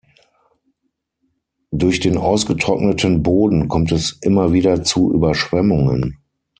Durch den ausgetrockneten Boden kommt es immer wieder zu Überschwemmungen.